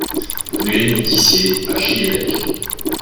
Rue Émile Tissier à Gy-l'Évêque